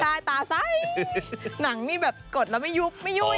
ใต้ตาซ้ายหนังนี่แบบกดแล้วไม่ยุบไม่ยุบ